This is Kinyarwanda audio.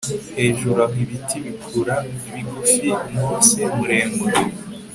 Hejuru aho ibiti bikura bigufi mose muremure